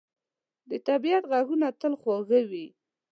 د طبیعت ږغونه تل خوږ وي.